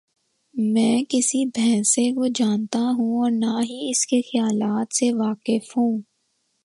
میں کسی بھینسے کو جانتا ہوں اور نہ ہی اس کے خیالات سے واقف ہوں۔